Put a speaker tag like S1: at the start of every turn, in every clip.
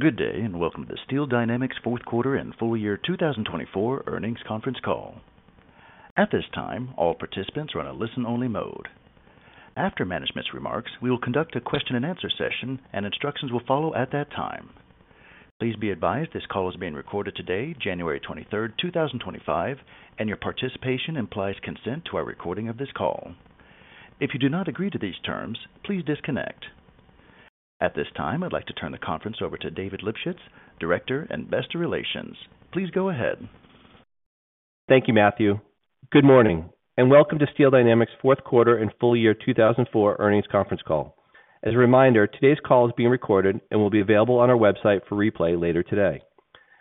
S1: Good day and welcome to the Steel Dynamics Fourth Quarter and Full Year 2024 Earnings Conference Call. At this time, all participants are in a listen-only mode. After management's remarks, we will conduct a question-and-answer session, and instructions will follow at that time. Please be advised this call is being recorded today, January 23rd, 2025, and your participation implies consent to our recording of this call. If you do not agree to these terms, please disconnect. At this time, I'd like to turn the conference over to David Lipschitz, Director of Investor Relations. Please go ahead.
S2: Thank you, Matthew. Good morning and welcome to Steel Dynamics Fourth Quarter and Full Year 2024 Earnings Conference Call. As a reminder, today's call is being recorded and will be available on our website for replay later today.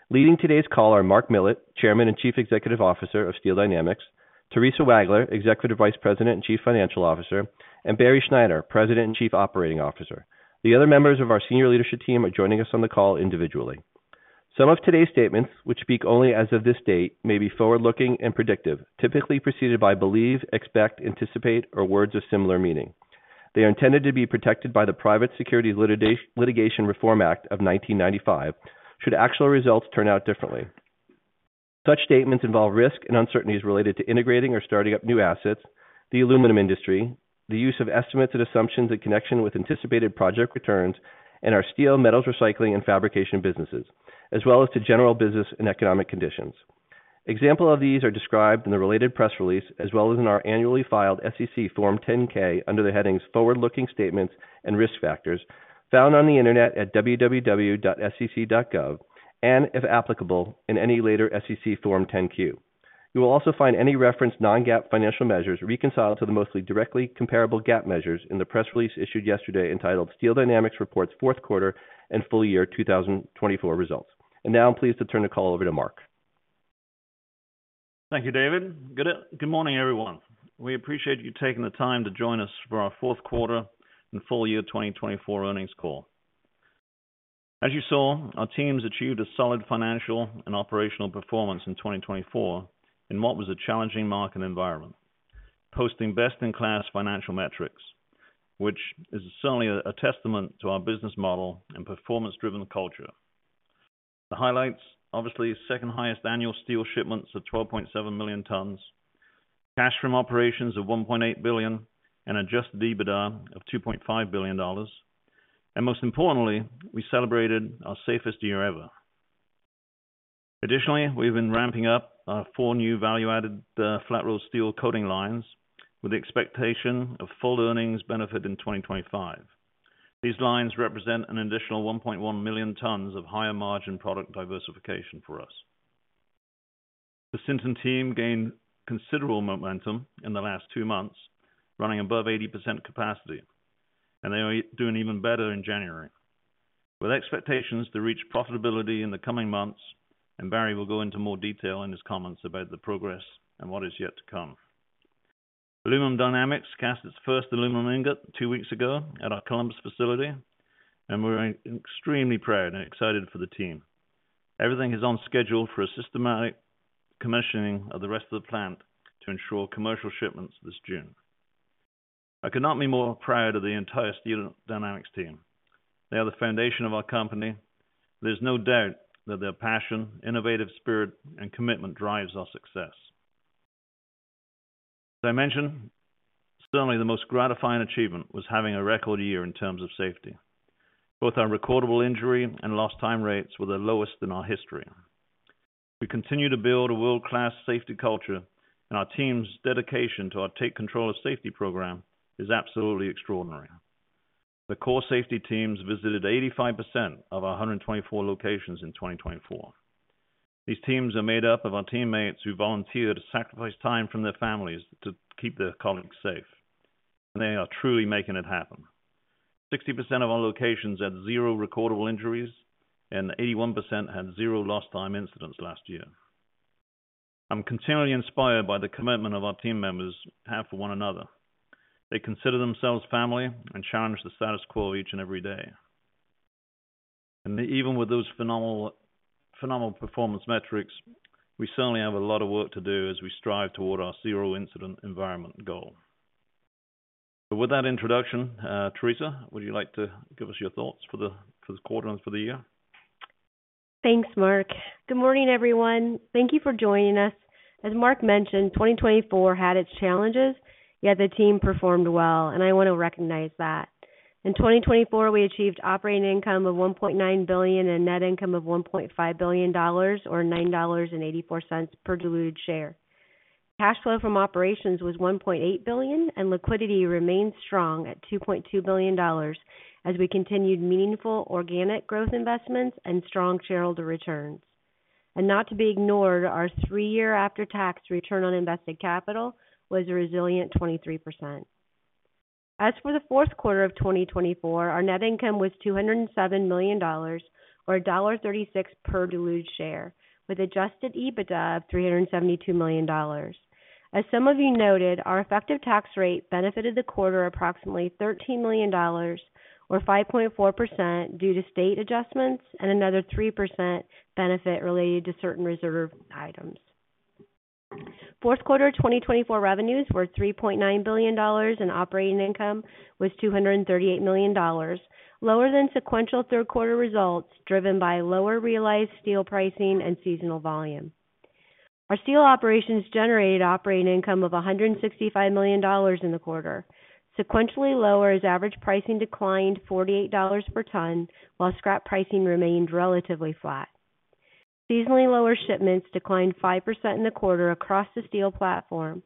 S2: Leading today's call are Mark Millett, Chairman and Chief Executive Officer of Steel Dynamics; Theresa Wagler, Executive Vice President and Chief Financial Officer; and Barry Schneider, President and Chief Operating Officer. The other members of our senior leadership team are joining us on the call individually. Some of today's statements, which speak only as of this date, may be forward-looking and predictive, typically preceded by believe, expect, anticipate, or words of similar meaning. They are intended to be protected by the Private Securities Litigation Reform Act of 1995 should actual results turn out differently. Such statements involve risk and uncertainties related to integrating or starting up new assets, the aluminum industry, the use of estimates and assumptions in connection with anticipated project returns in our steel, metals, recycling, and fabrication businesses, as well as to general business and economic conditions. Examples of these are described in the related press release as well as in our annually filed SEC Form 10-K under the headings Forward-Looking Statements and Risk Factors found on the internet at www.sec.gov and, if applicable, in any later SEC Form 10-Q. You will also find any referenced non-GAAP financial measures reconciled to the most directly comparable GAAP measures in the press release issued yesterday entitled Steel Dynamics Reports Fourth Quarter and Full Year 2024 Results, and now I'm pleased to turn the call over to Mark.
S3: Thank you, David. Good morning, everyone. We appreciate you taking the time to join us for our Fourth Quarter and Full Year 2024 Earnings Call. As you saw, our teams achieved a solid financial and operational performance in 2024 in what was a challenging market environment, posting best-in-class financial metrics, which is certainly a testament to our business model and performance-driven culture. The highlights, obviously, second-highest annual steel shipments of 12.7 million tons, cash from operations of $1.8 billion, and adjusted EBITDA of $2.5 billion, and most importantly, we celebrated our safest year ever. Additionally, we've been ramping up our four new value-added flat-roll steel coating lines with the expectation of full earnings benefit in 2025. These lines represent an additional 1.1 million tons of higher margin product diversification for us. The Sinton team gained considerable momentum in the last two months, running above 80% capacity, and they are doing even better in January, with expectations to reach profitability in the coming months, and Barry will go into more detail in his comments about the progress and what is yet to come. Aluminum Dynamics cast its first aluminum ingot two weeks ago at our Columbus facility, and we're extremely proud and excited for the team. Everything is on schedule for a systematic commissioning of the rest of the plant to ensure commercial shipments this June. I could not be more proud of the entire Steel Dynamics team. They are the foundation of our company. There's no doubt that their passion, innovative spirit, and commitment drive our success. As I mentioned, certainly the most gratifying achievement was having a record year in terms of safety. Both our recordable injury and lost time rates were the lowest in our history. We continue to build a world-class safety culture, and our team's dedication to our Take Control of Safety program is absolutely extraordinary. The core safety teams visited 85% of our 124 locations in 2024. These teams are made up of our teammates who volunteered to sacrifice time from their families to keep their colleagues safe, and they are truly making it happen. 60% of our locations had zero recordable injuries, and 81% had zero lost time incidents last year. I'm continually inspired by the commitment of our team members to have for one another. They consider themselves family and challenge the status quo each and every day. And even with those phenomenal performance metrics, we certainly have a lot of work to do as we strive toward our zero-incident environment goal. But with that introduction, Theresa, would you like to give us your thoughts for the quarter and for the year?
S4: Thanks, Mark. Good morning, everyone. Thank you for joining us. As Mark mentioned, 2024 had its challenges, yet the team performed well, and I want to recognize that. In 2024, we achieved operating income of $1.9 billion and net income of $1.5 billion, or $9.84 per diluted share. Cash flow from operations was $1.8 billion, and liquidity remained strong at $2.2 billion as we continued meaningful organic growth investments and strong shareholder returns, and not to be ignored, our three-year after-tax return on invested capital was a resilient 23%. As for the fourth quarter of 2024, our net income was $207 million, or $1.36 per diluted share, with Adjusted EBITDA of $372 million. As some of you noted, our effective tax rate benefited the quarter approximately $13 million, or 5.4%, due to state adjustments and another 3% benefit related to certain reserve items. Fourth quarter 2024 revenues were $3.9 billion, and operating income was $238 million, lower than sequential third-quarter results driven by lower realized steel pricing and seasonal volume. Our steel operations generated operating income of $165 million in the quarter, sequentially lower as average pricing declined $48 per ton, while scrap pricing remained relatively flat. Seasonally lower shipments declined 5% in the quarter across the steel platform,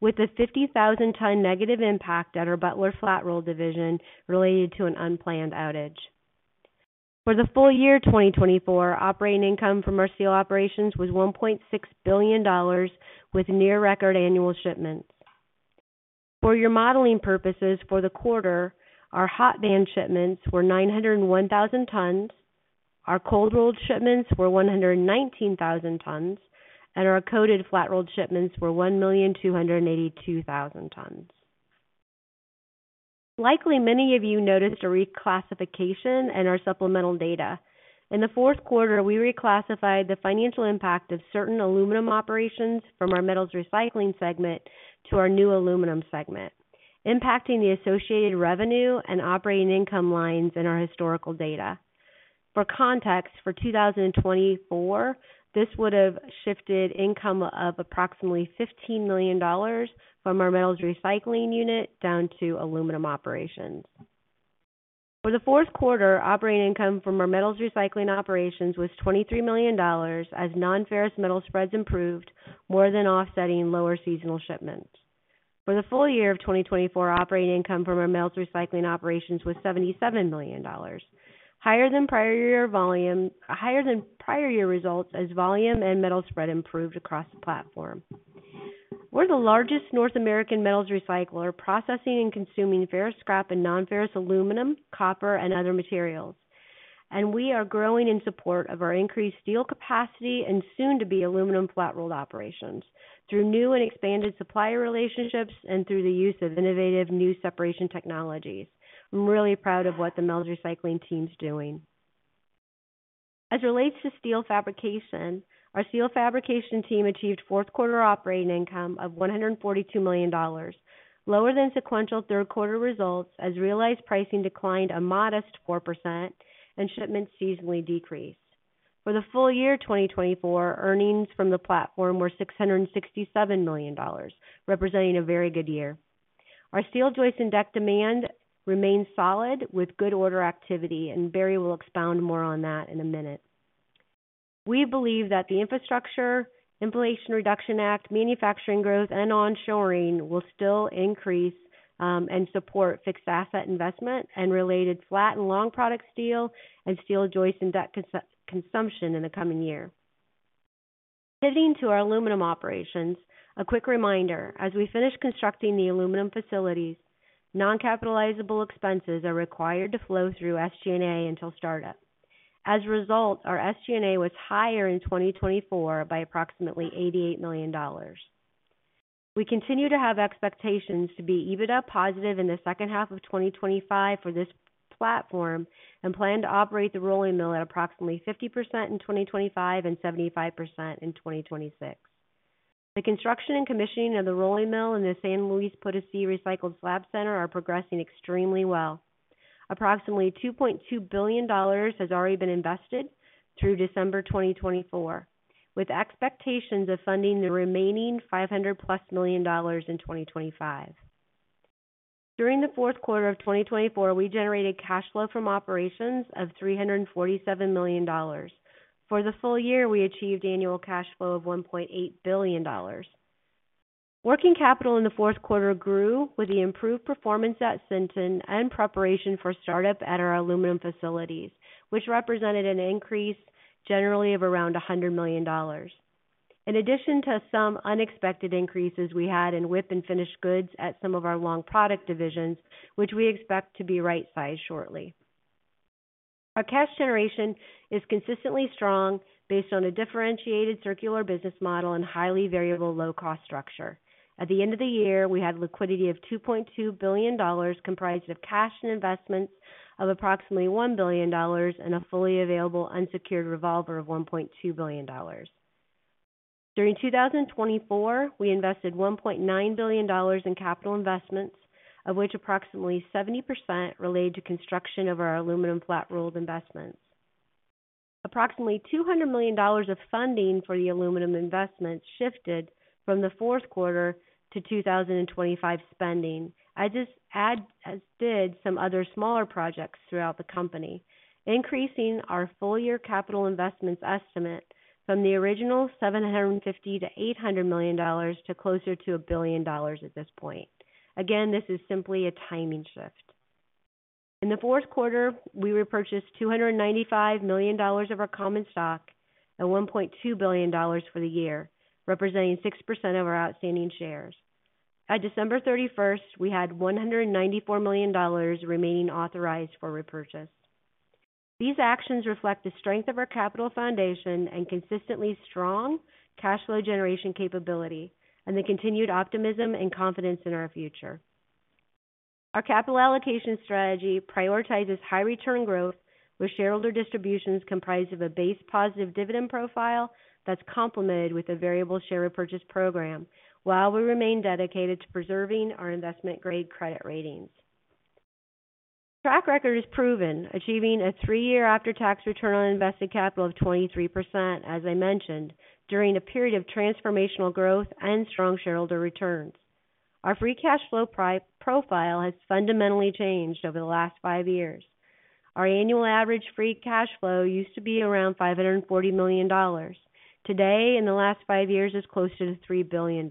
S4: with a 50,000-ton negative impact at our Butler flat-roll division related to an unplanned outage. For the full year 2024, operating income from our steel operations was $1.6 billion, with near-record annual shipments. For your modeling purposes for the quarter, our hot-band shipments were 901,000 tons, our cold-rolled shipments were 119,000 tons, and our coated flat-rolled shipments were 1,282,000 tons. Likely, many of you noticed a reclassification in our supplemental data. In the fourth quarter, we reclassified the financial impact of certain aluminum operations from our metals recycling segment to our new aluminum segment, impacting the associated revenue and operating income lines in our historical data. For context, for 2024, this would have shifted income of approximately $15 million from our metals recycling unit down to aluminum operations. For the fourth quarter, operating income from our metals recycling operations was $23 million as non-ferrous metal spreads improved, more than offsetting lower seasonal shipments. For the full year of 2024, operating income from our metals recycling operations was $77 million, higher than prior year results as volume and metal spread improved across the platform. We're the largest North American metals recycler, processing and consuming ferrous scrap and non-ferrous aluminum, copper, and other materials. We are growing in support of our increased steel capacity and soon-to-be aluminum flat-rolled operations through new and expanded supplier relationships and through the use of innovative new separation technologies. I'm really proud of what the metals recycling team's doing. As it relates to steel fabrication, our steel fabrication team achieved fourth quarter operating income of $142 million, lower than sequential third quarter results as realized pricing declined a modest 4% and shipments seasonally decreased. For the full year 2024, earnings from the platform were $667 million, representing a very good year. Our steel joist and deck demand remains solid with good order activity, and Barry will expound more on that in a minute. We believe that the Inflation Reduction Act, manufacturing growth, and onshoring will still increase and support fixed asset investment and related flat and long-product steel and steel joist and deck consumption in the coming year. Pivoting to our aluminum operations, a quick reminder: as we finish constructing the aluminum facilities, non-capitalizable expenses are required to flow through SG&A until startup. As a result, our SG&A was higher in 2024 by approximately $88 million. We continue to have expectations to be EBITDA positive in the second half of 2025 for this platform and plan to operate the rolling mill at approximately 50% in 2025 and 75% in 2026. The construction and commissioning of the rolling mill in the San Luis Potosí Recycled Slab Center are progressing extremely well. Approximately $2.2 billion has already been invested through December 2024, with expectations of funding the remaining $500-plus million in 2025. During the fourth quarter of 2024, we generated cash flow from operations of $347 million. For the full year, we achieved annual cash flow of $1.8 billion. Working capital in the fourth quarter grew with the improved performance at Sinton and preparation for startup at our aluminum facilities, which represented an increase generally of around $100 million. In addition to some unexpected increases, we had in WIP and finished goods at some of our long product divisions, which we expect to be right-sized shortly. Our cash generation is consistently strong based on a differentiated circular business model and highly variable low-cost structure. At the end of the year, we had liquidity of $2.2 billion, comprised of cash and investments of approximately $1 billion and a fully available unsecured revolver of $1.2 billion. During 2024, we invested $1.9 billion in capital investments, of which approximately 70% related to construction of our aluminum flat-rolled investments. Approximately $200 million of funding for the aluminum investments shifted from the fourth quarter to 2025 spending, as did some other smaller projects throughout the company, increasing our full-year capital investments estimate from the original $750-$800 million to closer to $1 billion at this point. Again, this is simply a timing shift. In the fourth quarter, we repurchased $295 million of our common stock at $1.2 billion for the year, representing 6% of our outstanding shares. At December 31st, we had $194 million remaining authorized for repurchase. These actions reflect the strength of our capital foundation and consistently strong cash flow generation capability and the continued optimism and confidence in our future. Our capital allocation strategy prioritizes high-return growth with shareholder distributions comprised of a base positive dividend profile that's complemented with a variable share repurchase program, while we remain dedicated to preserving our investment-grade credit ratings. Track record is proven, achieving a three-year after-tax return on invested capital of 23%, as I mentioned, during a period of transformational growth and strong shareholder returns. Our free cash flow profile has fundamentally changed over the last five years. Our annual average free cash flow used to be around $540 million. Today, in the last five years, it's closer to $3 billion.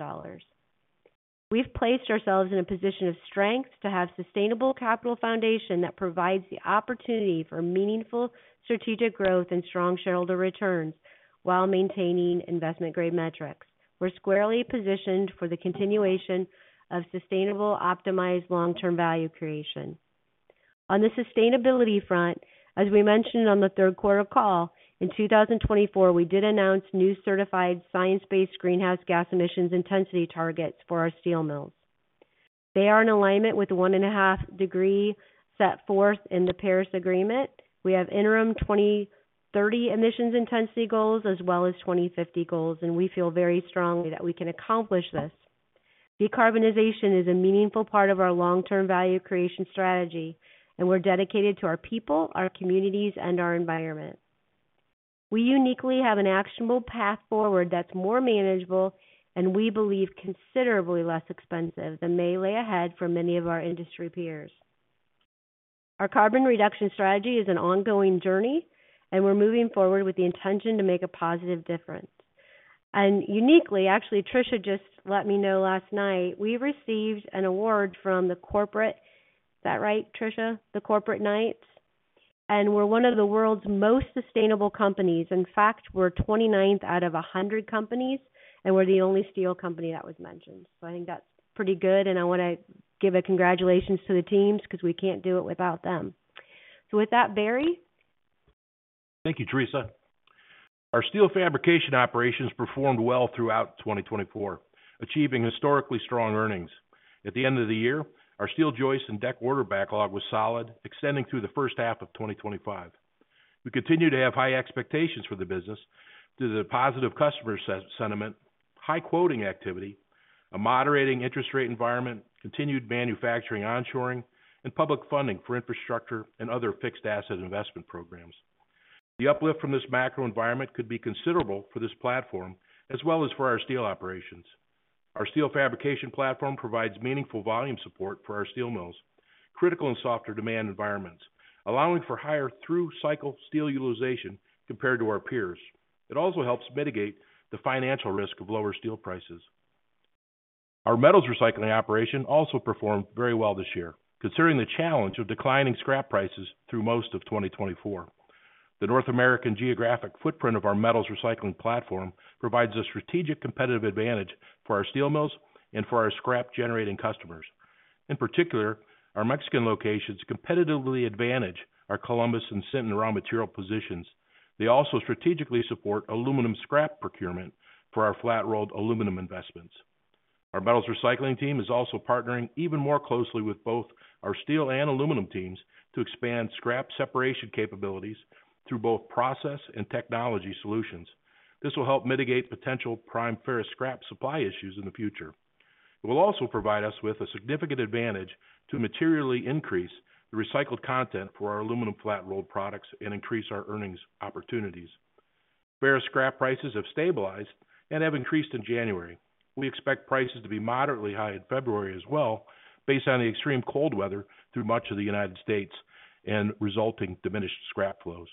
S4: We've placed ourselves in a position of strength to have a sustainable capital foundation that provides the opportunity for meaningful strategic growth and strong shareholder returns while maintaining investment-grade metrics. We're squarely positioned for the continuation of sustainable optimized long-term value creation. On the sustainability front, as we mentioned on the third quarter call, in 2024, we did announce new certified science-based greenhouse gas emissions intensity targets for our steel mills. They are in alignment with the one-and-a-half degree set forth in the Paris Agreement. We have interim 2030 emissions intensity goals as well as 2050 goals, and we feel very strongly that we can accomplish this. Decarbonization is a meaningful part of our long-term value creation strategy, and we're dedicated to our people, our communities, and our environment. We uniquely have an actionable path forward that's more manageable and, we believe, considerably less expensive than may lay ahead for many of our industry peers. Our carbon reduction strategy is an ongoing journey, and we're moving forward with the intention to make a positive difference. And uniquely, actually, Tricia just let me know last night, we received an award from the corporate—is that right, Tricia?—the Corporate Knights. And we're one of the world's most sustainable companies. In fact, we're 29th out of 100 companies, and we're the only steel company that was mentioned. So I think that's pretty good, and I want to give congratulations to the teams because we can't do it without them. So with that, Barry.
S5: Thank you, Theresa. Our steel fabrication operations performed well throughout 2024, achieving historically strong earnings. At the end of the year, our steel joist and deck order backlog was solid, extending through the first half of 2025. We continue to have high expectations for the business due to the positive customer sentiment, high quoting activity, a moderating interest rate environment, continued manufacturing onshoring, and public funding for infrastructure and other fixed asset investment programs. The uplift from this macro environment could be considerable for this platform as well as for our steel operations. Our steel fabrication platform provides meaningful volume support for our steel mills, critical in softer demand environments, allowing for higher through-cycle steel utilization compared to our peers. It also helps mitigate the financial risk of lower steel prices. Our metals recycling operation also performed very well this year, considering the challenge of declining scrap prices through most of 2024. The North American geographic footprint of our metals recycling platform provides a strategic competitive advantage for our steel mills and for our scrap-generating customers. In particular, our Mexican locations competitively advantage our Columbus and Sinton raw material positions. They also strategically support aluminum scrap procurement for our flat-rolled aluminum investments. Our metals recycling team is also partnering even more closely with both our steel and aluminum teams to expand scrap separation capabilities through both process and technology solutions. This will help mitigate potential prime ferrous scrap supply issues in the future. It will also provide us with a significant advantage to materially increase the recycled content for our aluminum flat-rolled products and increase our earnings opportunities. Ferrous scrap prices have stabilized and have increased in January. We expect prices to be moderately high in February as well, based on the extreme cold weather through much of the United States and resulting diminished scrap flows.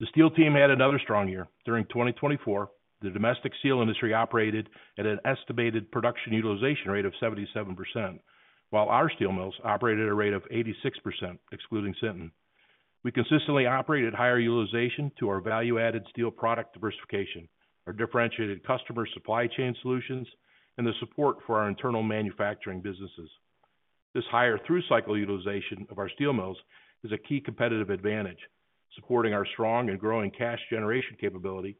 S5: The steel team had another strong year. During 2024, the domestic steel industry operated at an estimated production utilization rate of 77%, while our steel mills operated at a rate of 86%, excluding Sinton. We consistently operated higher utilization to our value-added steel product diversification, our differentiated customer supply chain solutions, and the support for our internal manufacturing businesses. This higher through-cycle utilization of our steel mills is a key competitive advantage, supporting our strong and growing cash generation capability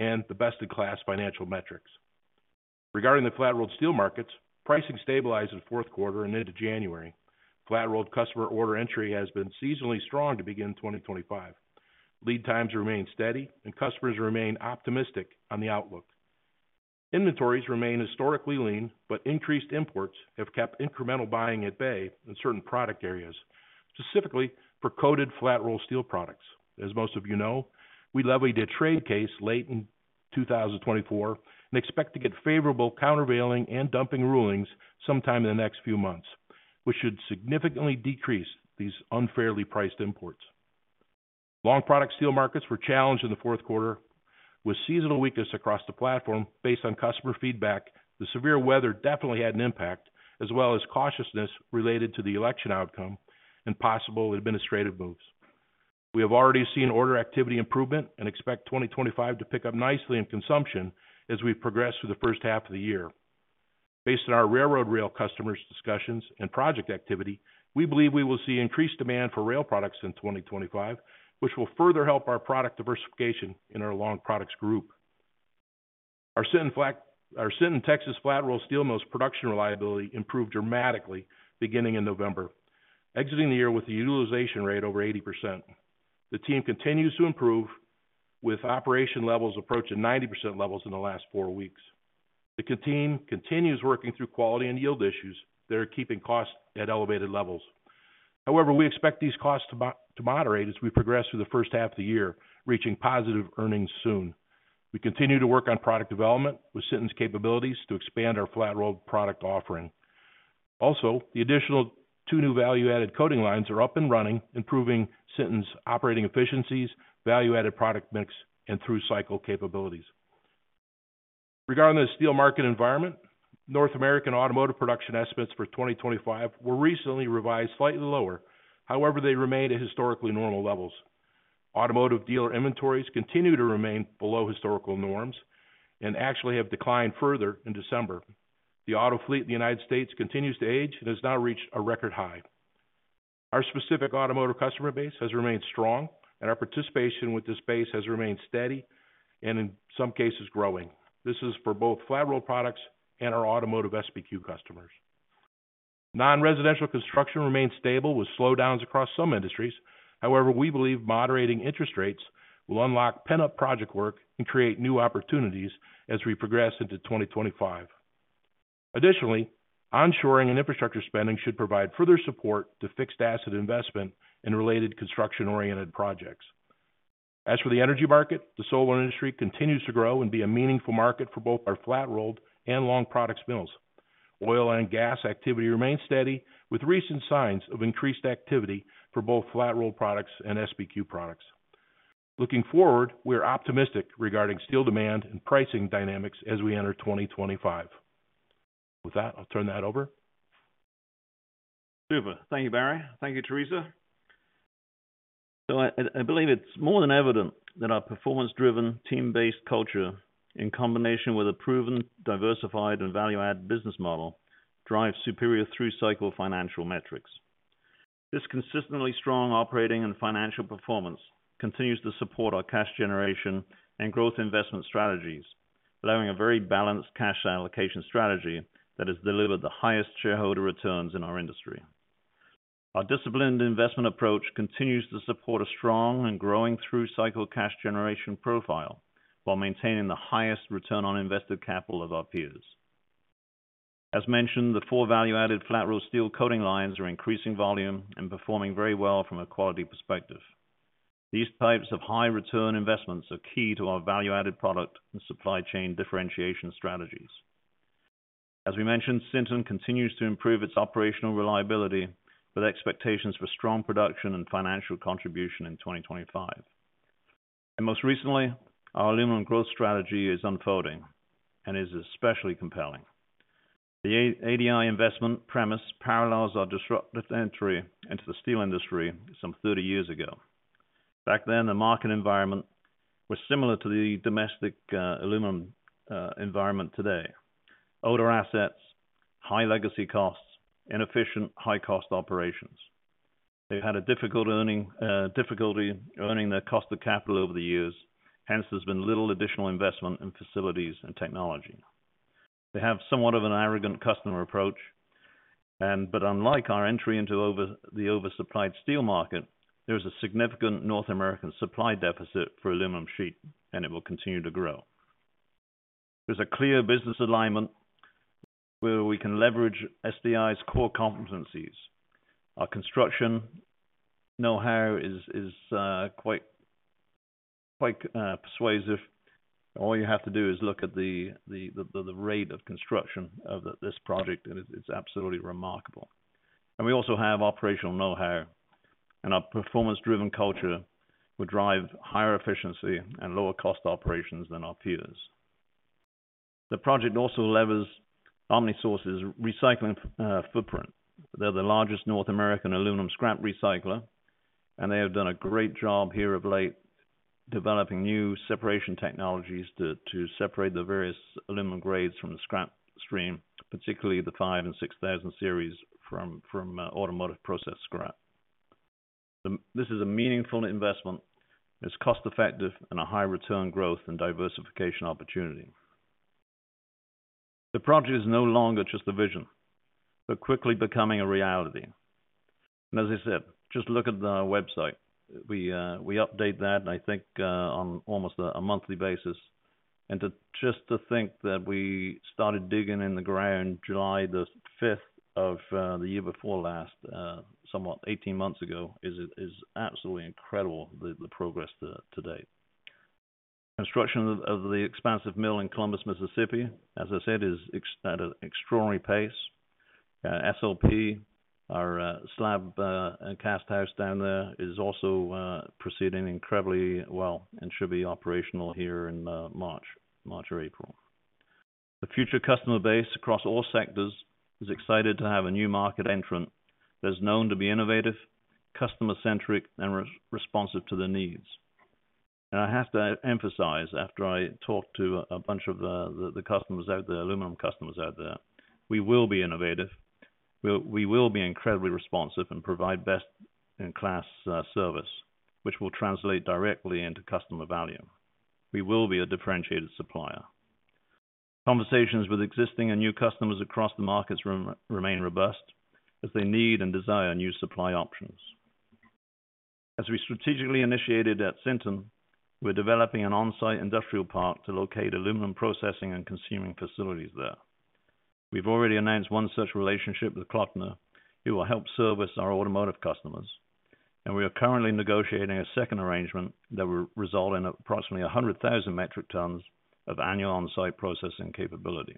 S5: and the best-in-class financial metrics. Regarding the flat-rolled steel markets, pricing stabilized in the fourth quarter and into January. Flat-rolled customer order entry has been seasonally strong to begin 2025. Lead times remain steady, and customers remain optimistic on the outlook. Inventories remain historically lean, but increased imports have kept incremental buying at bay in certain product areas, specifically for coated flat-rolled steel products. As most of you know, we levied a trade case late in 2024 and expect to get favorable countervailing and dumping rulings sometime in the next few months, which should significantly decrease these unfairly priced imports. Long-product steel markets were challenged in the fourth quarter. With seasonal weakness across the platform based on customer feedback, the severe weather definitely had an impact, as well as cautiousness related to the election outcome and possible administrative moves. We have already seen order activity improvement and expect 2025 to pick up nicely in consumption as we progress through the first half of the year. Based on our railroad rail customers' discussions and project activity, we believe we will see increased demand for rail products in 2025, which will further help our product diversification in our long products group. Our Sinton Texas flat-rolled steel mills' production reliability improved dramatically beginning in November, exiting the year with a utilization rate over 80%. The team continues to improve, with operation levels approaching 90% levels in the last four weeks. The team continues working through quality and yield issues that are keeping costs at elevated levels. However, we expect these costs to moderate as we progress through the first half of the year, reaching positive earnings soon. We continue to work on product development with Sinton's capabilities to expand our flat-rolled product offering. Also, the additional two new value-added coating lines are up and running, improving Sinton's operating efficiencies, value-added product mix, and through-cycle capabilities. Regarding the steel market environment, North American automotive production estimates for 2025 were recently revised slightly lower. However, they remain at historically normal levels. Automotive dealer inventories continue to remain below historical norms and actually have declined further in December. The auto fleet in the United States continues to age and has now reached a record high. Our specific automotive customer base has remained strong, and our participation with this base has remained steady and, in some cases, growing. This is for both flat-rolled products and our automotive SBQ customers. Non-residential construction remains stable with slowdowns across some industries. However, we believe moderating interest rates will unlock pent-up project work and create new opportunities as we progress into 2025. Additionally, onshoring and infrastructure spending should provide further support to fixed asset investment and related construction-oriented projects. As for the energy market, the solar industry continues to grow and be a meaningful market for both our flat-rolled and long-products mills. Oil and gas activity remains steady, with recent signs of increased activity for both flat-rolled products and SBQ products. Looking forward, we are optimistic regarding steel demand and pricing dynamics as we enter 2025. With that, I'll turn that over.
S3: Super. Thank you, Barry. Thank you, Theresa. So I believe it's more than evident that our performance-driven, team-based culture, in combination with a proven, diversified, and value-added business model, drives superior through-cycle financial metrics. This consistently strong operating and financial performance continues to support our cash generation and growth investment strategies, allowing a very balanced cash allocation strategy that has delivered the highest shareholder returns in our industry. Our disciplined investment approach continues to support a strong and growing through-cycle cash generation profile while maintaining the highest return on invested capital of our peers. As mentioned, the four value-added flat-rolled steel coating lines are increasing volume and performing very well from a quality perspective. These types of high-return investments are key to our value-added product and supply chain differentiation strategies. As we mentioned, Sinton continues to improve its operational reliability with expectations for strong production and financial contribution in 2025. Most recently, our aluminum growth strategy is unfolding and is especially compelling. The ADI investment premise parallels our disruptive entry into the steel industry some 30 years ago. Back then, the market environment was similar to the domestic aluminum environment today: older assets, high legacy costs, inefficient, high-cost operations. They've had a difficulty earning their cost of capital over the years. Hence, there's been little additional investment in facilities and technology. They have somewhat of an arrogant customer approach, but unlike our entry into the oversupplied steel market, there is a significant North American supply deficit for aluminum sheet, and it will continue to grow. There's a clear business alignment where we can leverage SDI's core competencies. Our construction know-how is quite persuasive. All you have to do is look at the rate of construction of this project, and it's absolutely remarkable. We also have operational know-how, and our performance-driven culture will drive higher efficiency and lower-cost operations than our peers. The project also levers OmniSource's recycling footprint. They're the largest North American aluminum scrap recycler, and they have done a great job here of late developing new separation technologies to separate the various aluminum grades from the scrap stream, particularly the 5000 and 6000 series from automotive process scrap. This is a meaningful investment. It's cost-effective and a high-return growth and diversification opportunity. The project is no longer just a vision; it's quickly becoming a reality. And as I said, just look at the website. We update that, I think, on almost a monthly basis. And just to think that we started digging in the ground July the 5th of the year before last, somewhat 18 months ago, is absolutely incredible, the progress to date. Construction of the expansive mill in Columbus, Mississippi, as I said, is at an extraordinary pace. SLP, our slab cast house down there, is also proceeding incredibly well and should be operational here in March or April. The future customer base across all sectors is excited to have a new market entrant that's known to be innovative, customer-centric, and responsive to the needs, and I have to emphasize, after I talked to a bunch of the customers out there, aluminum customers out there, we will be innovative. We will be incredibly responsive and provide best-in-class service, which will translate directly into customer value. We will be a differentiated supplier. Conversations with existing and new customers across the markets remain robust as they need and desire new supply options. As we strategically initiated at Sinton, we're developing an on-site industrial park to locate aluminum processing and consuming facilities there. We've already announced one such relationship with Kloeckner, who will help service our automotive customers. And we are currently negotiating a second arrangement that will result in approximately 100,000 metric tons of annual on-site processing capability.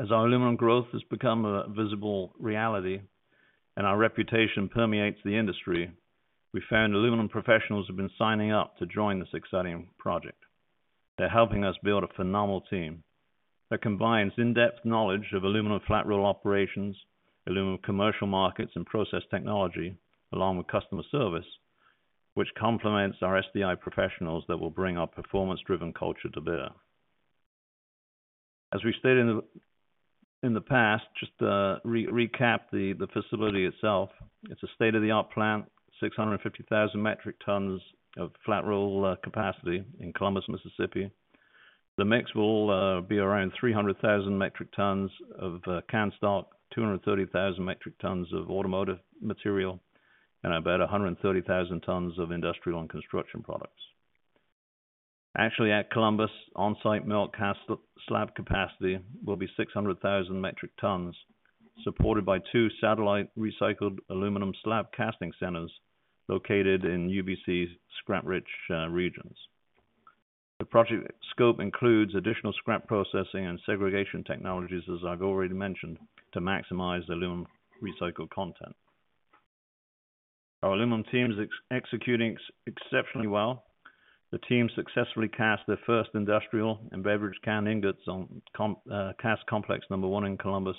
S3: As our aluminum growth has become a visible reality and our reputation permeates the industry, we found aluminum professionals have been signing up to join this exciting project. They're helping us build a phenomenal team that combines in-depth knowledge of aluminum flat-roll operations, aluminum commercial markets, and process technology, along with customer service, which complements our SDI professionals that will bring our performance-driven culture to bear. As we stated in the past, just to recap the facility itself, it's a state-of-the-art plant, 650,000 metric tons of flat-roll capacity in Columbus, Mississippi. The mix will be around 300,000 metric tons of can stock, 230,000 metric tons of automotive material, and about 130,000 tons of industrial and construction products. Actually, at Columbus, on-site mill cast slab capacity will be 600,000 metric tons, supported by two satellite recycled aluminum slab casting centers located in UBC scrap-rich regions. The project scope includes additional scrap processing and segregation technologies, as I've already mentioned, to maximize the aluminum recycled content. Our aluminum team is executing exceptionally well. The team successfully cast their first industrial and beverage can ingots on Cast Complex Number One in Columbus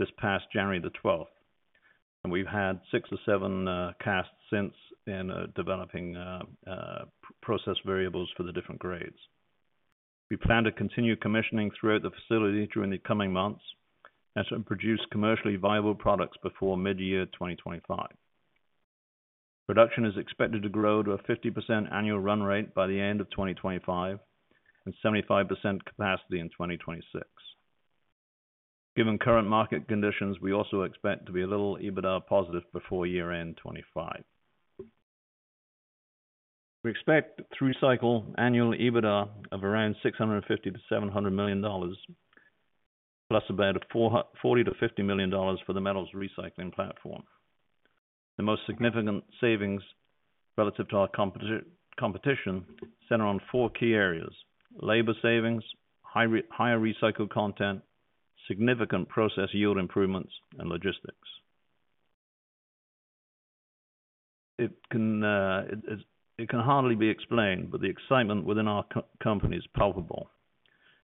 S3: this past January the 12th, and we've had six or seven casts since in developing process variables for the different grades. We plan to continue commissioning throughout the facility during the coming months and produce commercially viable products before mid-year 2025. Production is expected to grow to a 50% annual run rate by the end of 2025 and 75% capacity in 2026. Given current market conditions, we also expect to be a little EBITDA positive before year-end 2025. We expect through-cycle annual EBITDA of around $650 million-$700 million, plus about $40 million-$50 million for the metals recycling platform. The most significant savings relative to our competition center on four key areas: labor savings, higher recycled content, significant process yield improvements, and logistics. It can hardly be explained, but the excitement within our company is palpable,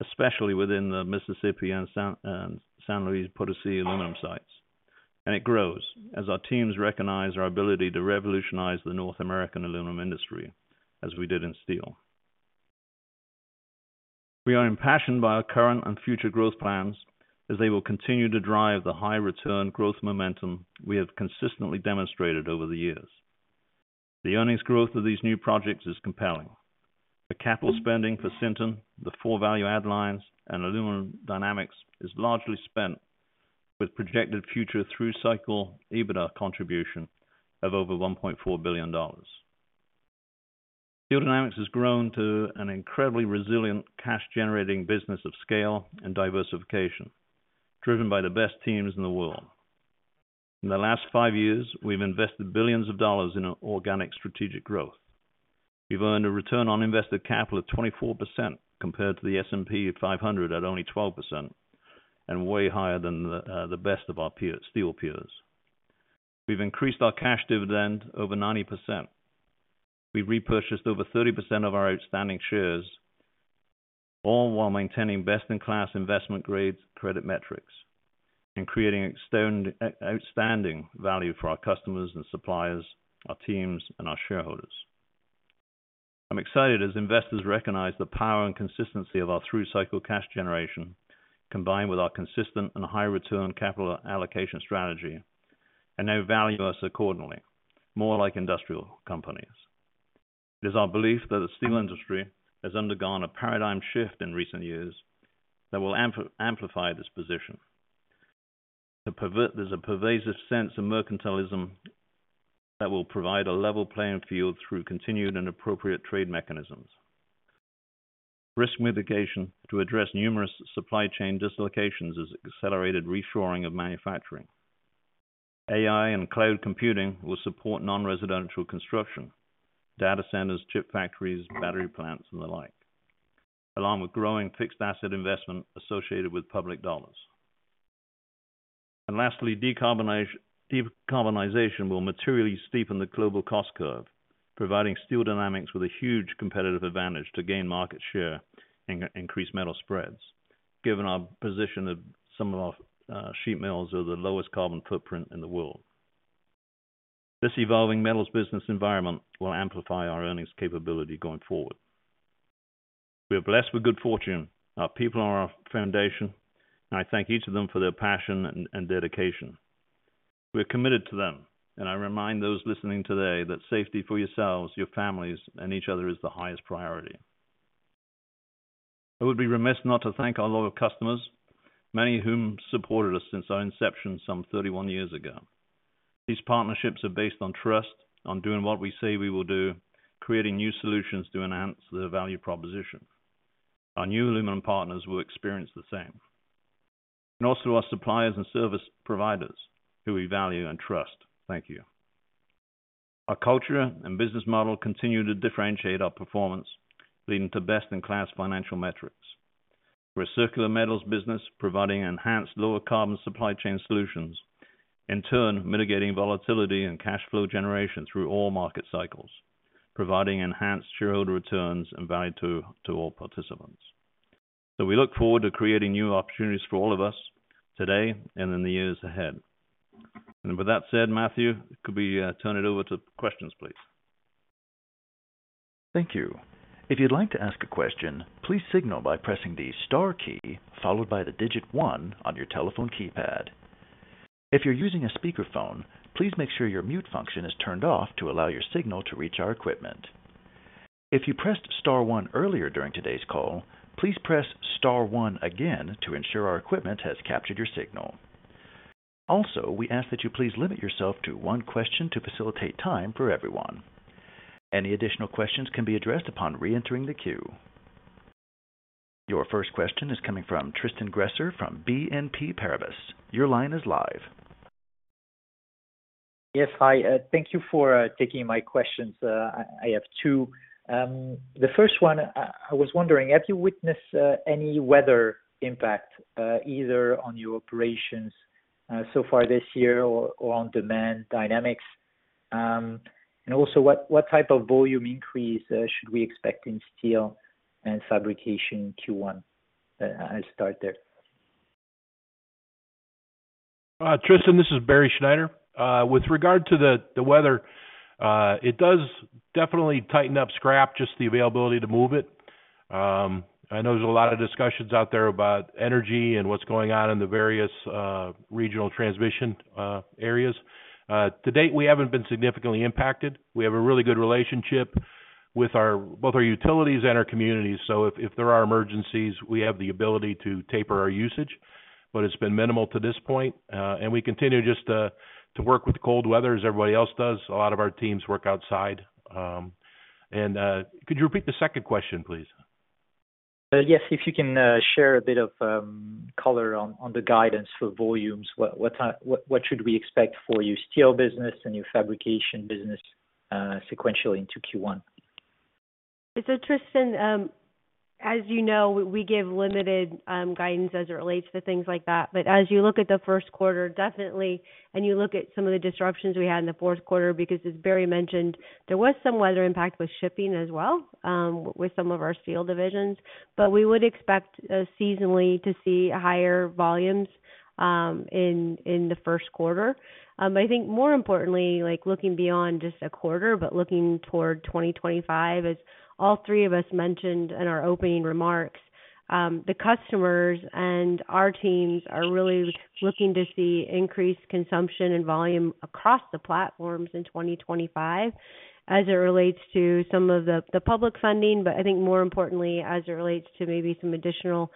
S3: especially within the Mississippi and San Luis Potosí aluminum sites, and it grows as our teams recognize our ability to revolutionize the North American aluminum industry, as we did in steel. We are impassioned by our current and future growth plans as they will continue to drive the high-return growth momentum we have consistently demonstrated over the years. The earnings growth of these new projects is compelling. The capital spending for Sinton, the four value-add lines, and Aluminum Dynamics is largely spent with projected future through-cycle EBITDA contribution of over $1.4 billion. Steel Dynamics has grown to an incredibly resilient cash-generating business of scale and diversification, driven by the best teams in the world. In the last five years, we've invested billions of dollars in organic strategic growth. We've earned a return on invested capital of 24% compared to the S&P 500 at only 12% and way higher than the best of our steel peers. We've increased our cash dividend over 90%. We've repurchased over 30% of our outstanding shares, all while maintaining best-in-class investment-grade credit metrics and creating outstanding value for our customers and suppliers, our teams, and our shareholders. I'm excited as investors recognize the power and consistency of our through-cycle cash generation, combined with our consistent and high-return capital allocation strategy, and now value us accordingly, more like industrial companies. It is our belief that the steel industry has undergone a paradigm shift in recent years that will amplify this position. There's a pervasive sense of mercantilism that will provide a level playing field through continued and appropriate trade mechanisms. Risk mitigation to address numerous supply chain dislocations has accelerated reshoring of manufacturing. AI and cloud computing will support non-residential construction, data centers, chip factories, battery plants, and the like, along with growing fixed asset investment associated with public dollars. Lastly, decarbonization will materially steepen the global cost curve, providing Steel Dynamics with a huge competitive advantage to gain market share and increase metal spreads, given our position of some of our sheet metals are the lowest carbon footprint in the world. This evolving metals business environment will amplify our earnings capability going forward. We are blessed with good fortune. Our people are our foundation, and I thank each of them for their passion and dedication. We are committed to them, and I remind those listening today that safety for yourselves, your families, and each other is the highest priority. I would be remiss not to thank our loyal customers, many of whom supported us since our inception some 31 years ago. These partnerships are based on trust, on doing what we say we will do, creating new solutions to enhance the value proposition. Our new aluminum partners will experience the same, and also our suppliers and service providers who we value and trust. Thank you. Our culture and business model continue to differentiate our performance, leading to best-in-class financial metrics. We're a circular metals business providing enhanced lower-carbon supply chain solutions, in turn mitigating volatility and cash flow generation through all market cycles, providing enhanced shareholder returns and value to all participants, so we look forward to creating new opportunities for all of us today and in the years ahead, and with that said, Matthew, could we turn it over to questions, please?
S1: Thank you. If you'd like to ask a question, please signal by pressing the star key followed by the digit one on your telephone keypad. If you're using a speakerphone, please make sure your mute function is turned off to allow your signal to reach our equipment. If you pressed star one earlier during today's call, please press star one again to ensure our equipment has captured your signal. Also, we ask that you please limit yourself to one question to facilitate time for everyone. Any additional questions can be addressed upon re-entering the queue. Your first question is coming from Tristan Gresser from BNP Paribas. Your line is live.
S6: Yes, hi. Thank you for taking my questions. I have two. The first one, I was wondering, have you witnessed any weather impact either on your operations so far this year or on demand dynamics? And also, what type of volume increase should we expect in steel and fabrication Q1? I'll start there.
S5: Tristan, this is Barry Schneider. With regard to the weather, it does definitely tighten up scrap, just the availability to move it. I know there's a lot of discussions out there about energy and what's going on in the various regional transmission areas. To date, we haven't been significantly impacted. We have a really good relationship with both our utilities and our communities. So if there are emergencies, we have the ability to taper our usage, but it's been minimal to this point. And we continue just to work with the cold weather as everybody else does. A lot of our teams work outside. And could you repeat the second question, please?
S6: Yes, if you can share a bit of color on the guidance for volumes, what should we expect for your steel business and your fabrication business sequentially into Q1?
S4: So Tristan, as you know, we give limited guidance as it relates to things like that. But as you look at the first quarter, definitely, and you look at some of the disruptions we had in the fourth quarter, because as Barry mentioned, there was some weather impact with shipping as well with some of our steel divisions. But we would expect seasonally to see higher volumes in the first quarter. But I think more importantly, looking beyond just a quarter, but looking toward 2025, as all three of us mentioned in our opening remarks, the customers and our teams are really looking to see increased consumption and volume across the platforms in 2025 as it relates to some of the public funding, but I think more importantly, as it relates to maybe some additional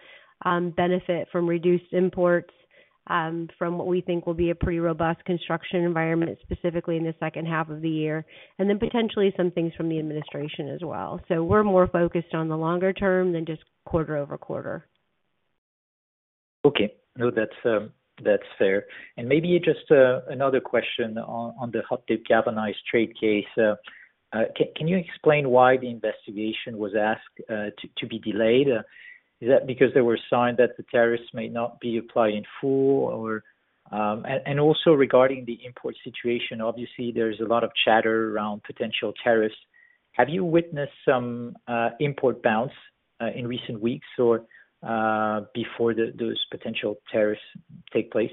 S4: benefit from reduced imports from what we think will be a pretty robust construction environment, specifically in the second half of the year, and then potentially some things from the administration as well. So we're more focused on the longer term than just quarter-over-quarter.
S6: Okay. No, that's fair. And maybe just another question on the hot-dipped galvanized trade case. Can you explain why the investigation was asked to be delayed? Is that because there were signs that the tariffs may not be applied in full, and also regarding the import situation, obviously, there's a lot of chatter around potential tariffs? Have you witnessed some import bounce in recent weeks or before those potential tariffs take place?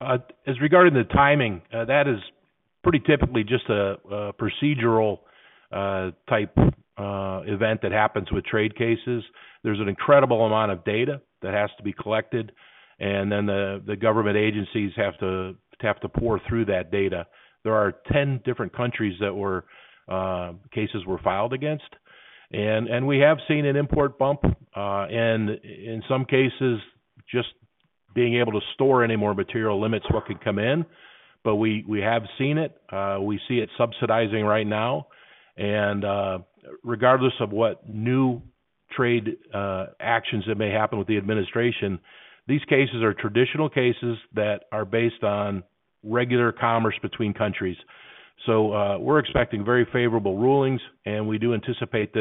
S3: As regarding the timing, that is pretty typically just a procedural type event that happens with trade cases. There's an incredible amount of data that has to be collected, and then the government agencies have to pore through that data. There are 10 different countries that cases were filed against, and we have seen an import bump and in some cases, just being able to store any more material limits what could come in, but we have seen it. We see it subsidizing right now. Regardless of what new trade actions that may happen with the administration, these cases are traditional cases that are based on regular commerce between countries. So we're expecting very favorable rulings, and we do anticipate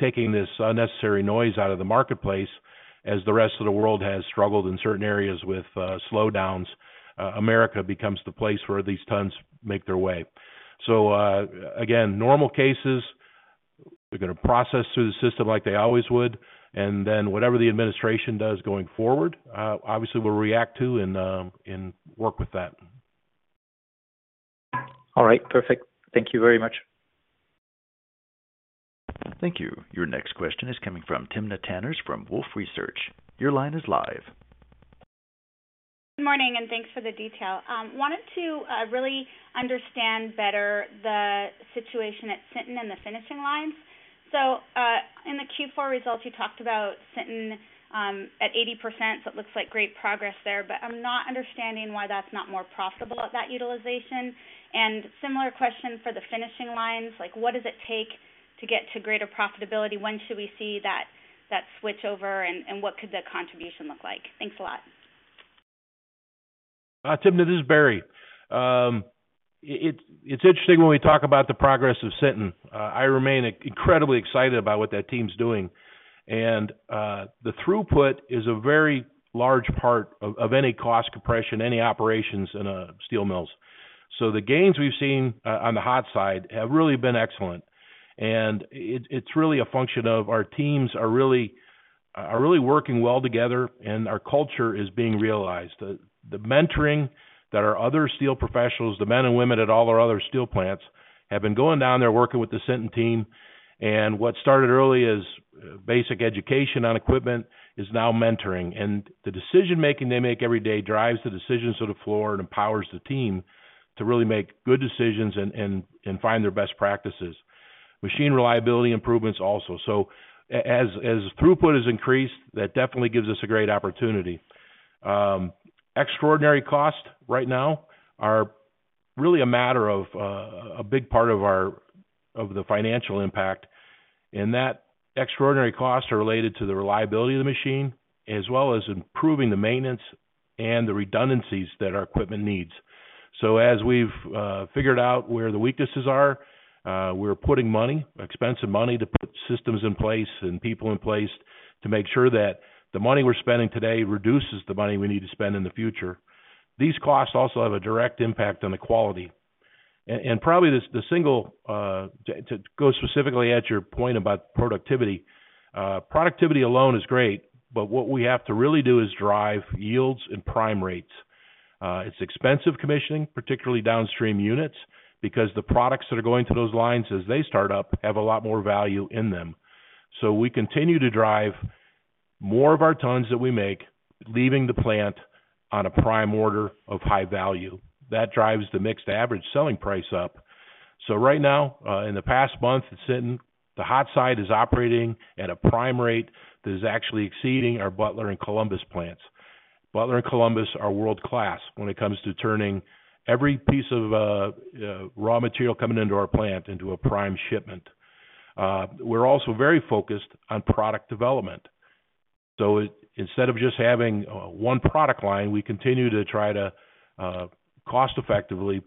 S3: taking this unnecessary noise out of the marketplace as the rest of the world has struggled in certain areas with slowdowns. America becomes the place where these tons make their way. So again, normal cases are going to process through the system like they always would. And then whatever the administration does going forward, obviously, we'll react to and work with that.
S6: All right. Perfect. Thank you very much.
S1: Thank you. Your next question is coming from Timna Tanners from Wolfe Research. Your line is live.
S7: Good morning, and thanks for the detail. I wanted to really understand better the situation at Sinton and the finishing lines. In the Q4 results, you talked about Sinton at 80%, so it looks like great progress there. But I'm not understanding why that's not more profitable at that utilization. And similar question for the finishing lines, what does it take to get to greater profitability? When should we see that switch over, and what could the contribution look like? Thanks a lot.
S5: Tim, this is Barry. It's interesting when we talk about the progress of Sinton. I remain incredibly excited about what that team's doing. And the throughput is a very large part of any cost compression, any operations in steel mills. So the gains we've seen on the hot side have really been excellent. And it's really a function of our teams are really working well together, and our culture is being realized. The mentoring that our other steel professionals, the men and women at all our other steel plants, have been going down there working with the Sinton team. What started early as basic education on equipment is now mentoring. The decision-making they make every day drives the decisions to the floor and empowers the team to really make good decisions and find their best practices. Machine reliability improvements also. As throughput has increased, that definitely gives us a great opportunity. Extraordinary costs right now are really a matter of a big part of the financial impact. That extraordinary costs are related to the reliability of the machine, as well as improving the maintenance and the redundancies that our equipment needs. So as we've figured out where the weaknesses are, we're putting money, expensive money, to put systems in place and people in place to make sure that the money we're spending today reduces the money we need to spend in the future. These costs also have a direct impact on the quality. And probably the single to go specifically at your point about productivity. Productivity alone is great, but what we have to really do is drive yields and prime rates. It's expensive commissioning, particularly downstream units, because the products that are going to those lines as they start up have a lot more value in them. So we continue to drive more of our tons that we make, leaving the plant on a prime order of high value. That drives the mixed average selling price up. So right now, in the past month, the hot side is operating at a prime rate that is actually exceeding our Butler and Columbus plants. Butler and Columbus are world-class when it comes to turning every piece of raw material coming into our plant into a prime shipment. We're also very focused on product development. So instead of just having one product line, we continue to try to cost-effectively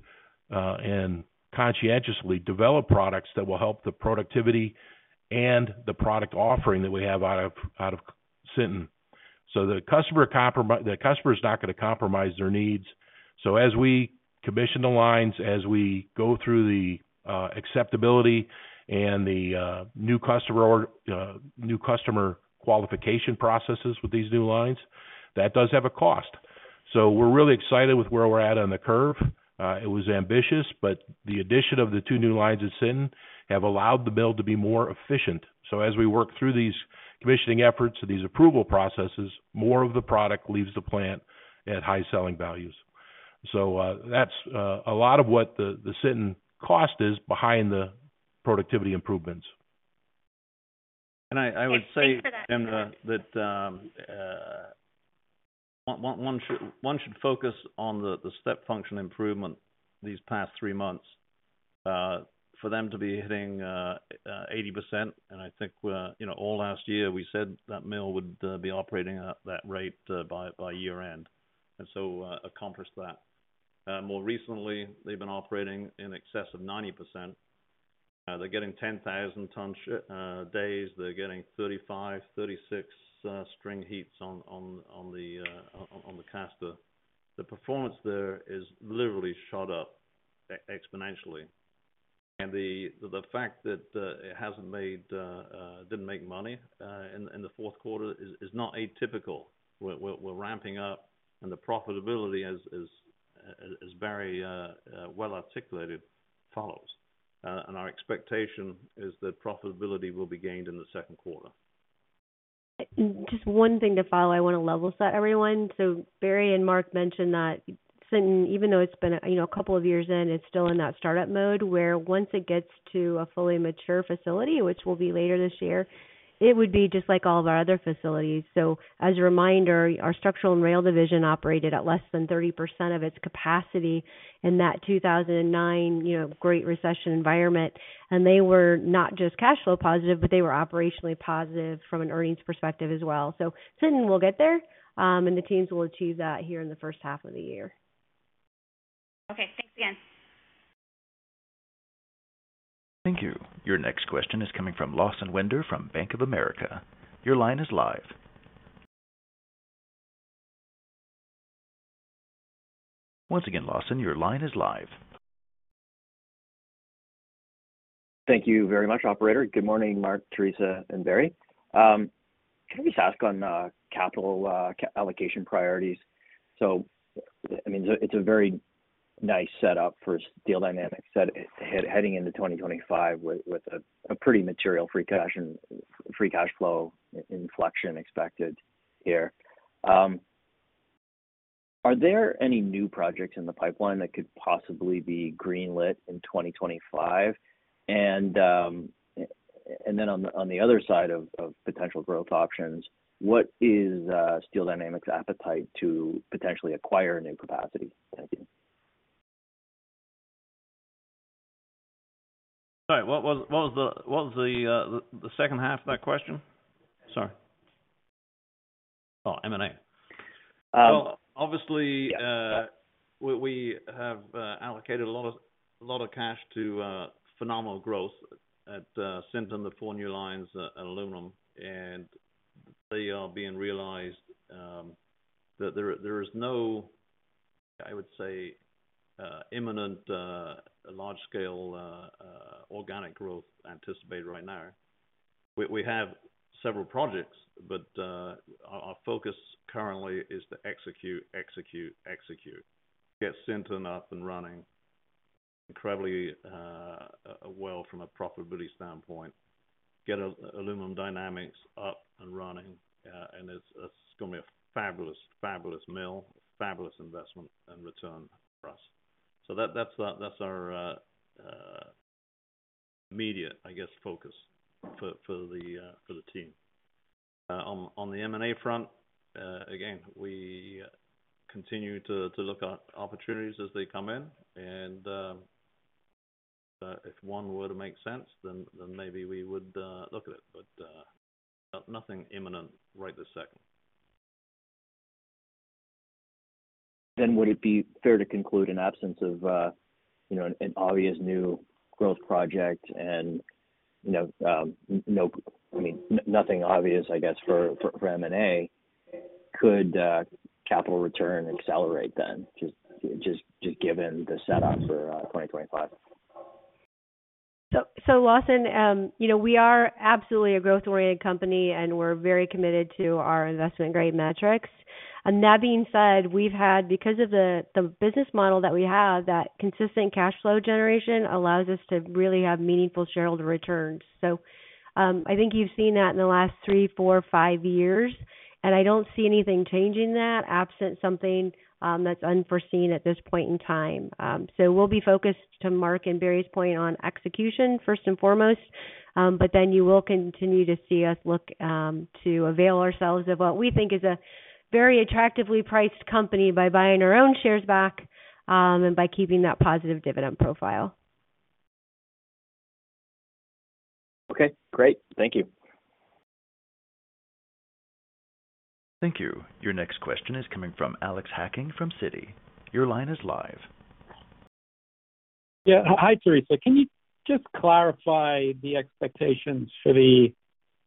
S5: and conscientiously develop products that will help the productivity and the product offering that we have out of Sinton. So the customer is not going to compromise their needs. So as we commission the lines, as we go through the acceptability and the new customer qualification processes with these new lines, that does have a cost. So we're really excited with where we're at on the curve. It was ambitious, but the addition of the two new lines at Sinton have allowed the mill to be more efficient. So as we work through these commissioning efforts and these approval processes, more of the product leaves the plant at high selling values. So that's a lot of what the Sinton cost is behind the productivity improvements.
S3: And I would say, Tim, that one should focus on the step function improvement these past three months for them to be hitting 80%. And I think all last year, we said that mill would be operating at that rate by year-end and so accomplished that. More recently, they've been operating in excess of 90%. They're getting 10,000-ton days. They're getting 35, 36 string heats on the caster. The performance there is literally shot up exponentially. And the fact that it didn't make money in the fourth quarter is not atypical. We're ramping up, and the profitability, as Barry well articulated, follows. Our expectation is that profitability will be gained in the second quarter.
S4: Just one thing to follow, I want to level set everyone. Barry and Mark mentioned that Sinton, even though it's been a couple of years in, it's still in that startup mode where once it gets to a fully mature facility, which will be later this year, it would be just like all of our other facilities. As a reminder, our structural and rail division operated at less than 30% of its capacity in that 2009 Great Recession environment. They were not just cash flow positive, but they were operationally positive from an earnings perspective as well. Sinton will get there, and the teams will achieve that here in the first half of the year.
S7: Okay. Thanks again.
S1: Thank you. Your next question is coming from Lawson Winder from Bank of America. Your line is live.,Once again, Lawson, your line is live.
S8: Thank you very much, Operator. Good morning, Mark, Theresa, and Barry. Can I just ask on capital allocation priorities? So I mean, it's a very nice setup for Steel Dynamics heading into 2025 with a pretty material free cash flow inflection expected here. Are there any new projects in the pipeline that could possibly be greenlit in 2025? And then on the other side of potential growth options, what is Steel Dynamics' appetite to potentially acquire new capacity? Thank you.
S3: Sorry. What was the second half of that question? Sorry. Oh, M&A. Obviously, we have allocated a lot of cash to phenomenal growth at Sinton, the four new lines of aluminum. They are being realized that there is no, I would say, imminent large-scale organic growth anticipated right now. We have several projects, but our focus currently is to execute, execute, execute. Get Sinton up and running incredibly well from a profitability standpoint, get Aluminum Dynamics up and running, and it's going to be a fabulous, fabulous mill, fabulous investment and return for us. That's our immediate, I guess, focus for the team. On the M&A front, again, we continue to look at opportunities as they come in. If one were to make sense, then maybe we would look at it. Nothing imminent right this second.
S8: Would it be fair to conclude in absence of an obvious new growth project and nothing obvious, I guess, for M&A, could capital return accelerate then, just given the setup for 2025?
S4: So Lawson, we are absolutely a growth-oriented company, and we're very committed to our investment-grade metrics. And that being said, because of the business model that we have, that consistent cash flow generation allows us to really have meaningful shareholder returns. So I think you've seen that in the last three, four, five years. And I don't see anything changing that absent something that's unforeseen at this point in time. So we'll be focused to Mark and Barry's point on execution first and foremost, but then you will continue to see us look to avail ourselves of what we think is a very attractively priced company by buying our own shares back and by keeping that positive dividend profile.
S8: Okay. Great. Thank you.
S1: Thank you. Your next question is coming from Alex Hacking from Citi. Your line is live.
S9: Yeah. Hi, Theresa. Can you just clarify the expectations for the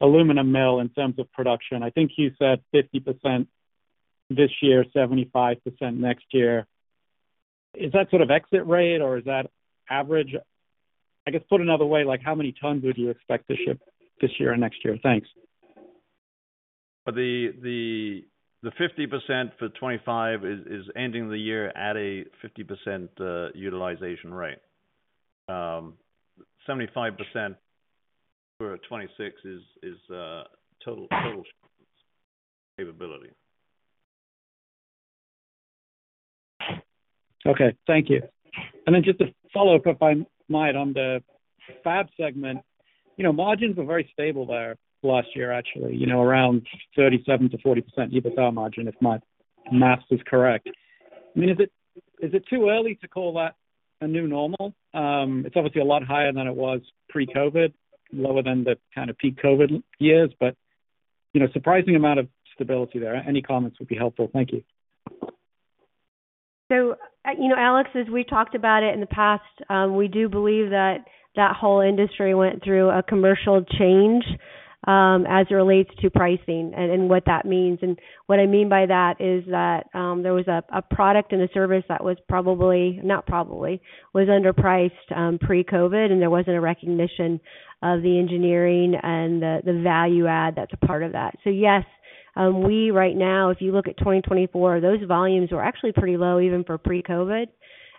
S9: aluminum mill in terms of production? I think you said 50% this year, 75% next year. Is that sort of exit rate, or is that average? I guess put another way, how many tons would you expect to ship this year and next year? Thanks.
S5: The 50% for 2025 is ending the year at a 50% utilization rate. 75% for 2026 is total capability.
S9: Okay. Thank you. And then just to follow up, if I might, on the fab segment, margins were very stable there last year, actually, around 37%-40% EBITDA margin, if my math is correct. I mean, is it too early to call that a new normal? It's obviously a lot higher than it was pre-COVID, lower than the kind of peak COVID years, but surprising amount of stability there. Any comments would be helpful. Thank you.
S4: So Alex, as we talked about it in the past, we do believe that that whole industry went through a commercial change as it relates to pricing and what that means. And what I mean by that is that there was a product and a service that was probably was underpriced pre-COVID, and there wasn't a recognition of the engineering and the value add that's a part of that. So yes, we right now, if you look at 2024, those volumes were actually pretty low even for pre-COVID.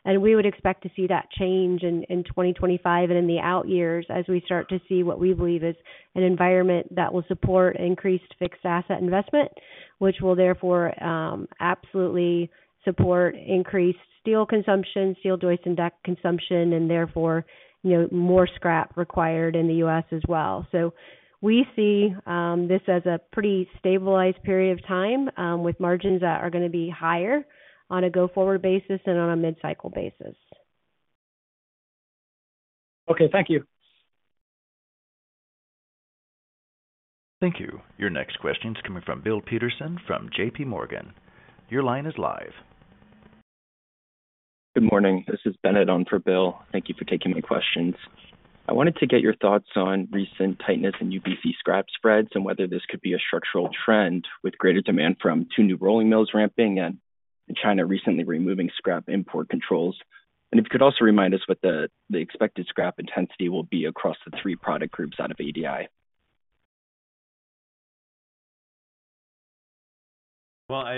S4: And we would expect to see that change in 2025 and in the out years as we start to see what we believe is an environment that will support increased fixed asset investment. Which will therefore absolutely support increased steel consumption, steel joist and deck consumption, and therefore more scrap required in the U.S. as well. So we see this as a pretty stabilized period of time with margins that are going to be higher on a go-forward basis and on a mid-cycle basis.
S9: Okay. Thank you.
S1: Thank you. Your next question is coming from Bill Peterson from J.P. Morgan. Your line is live.
S10: Good morning. This is Bennett on for Bill. Thank you for taking my questions. I wanted to get your thoughts on recent tightness in UBC scrap spreads and whether this could be a structural trend with greater demand from two new rolling mills ramping and China recently removing scrap import controls. And if you could also remind us what the expected scrap intensity will be across the three product groups out of ADI.
S3: Well,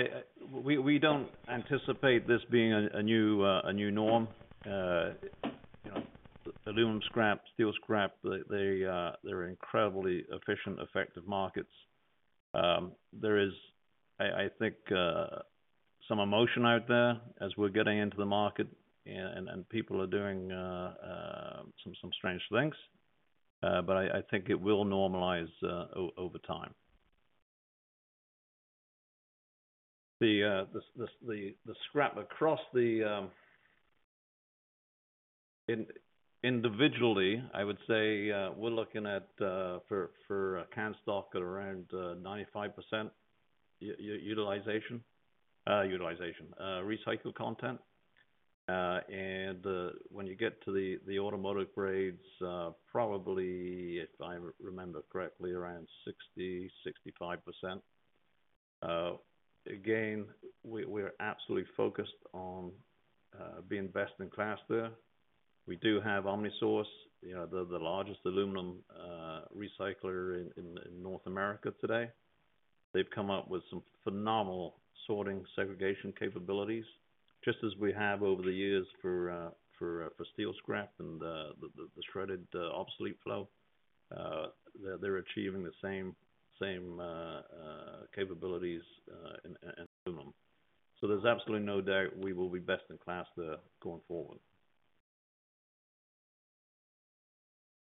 S3: we don't anticipate this being a new norm. Aluminum scrap, steel scrap, they're incredibly efficient, effective markets. There is, I think, some emotion out there as we're getting into the market, and people are doing some strange things, but I think it will normalize over time. The scrap across the individually, I would say we're looking at for can stock at around 95% utilization, recycled content, and when you get to the automotive grades, probably, if I remember correctly, around 60%-65%. Again, we're absolutely focused on being best in class there. We do have OmniSource, the largest aluminum recycler in North America today. They've come up with some phenomenal sorting segregation capabilities, just as we have over the years for steel scrap and the shredded obsolete flow. They're achieving the same capabilities in aluminum. So there's absolutely no doubt we will be best in class there going forward.